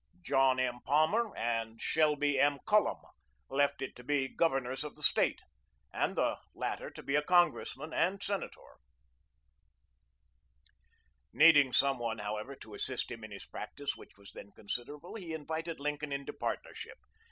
John M. Palmer and Shelby M. Cullom left it to be Governors of the State, and the latter to be a Congressman and Senator.] Needing some one, however, to assist him in his practice, which was then considerable, he invited Lincoln into partnership.